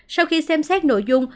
sau khi xem xét nội dung